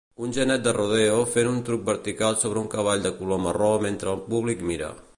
Un genet de rodeo fent un truc vertical sobre un cavall de color marró mentre el públic mira